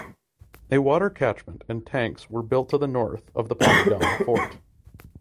A water catchment and tanks were built to the north of the polygonal fort.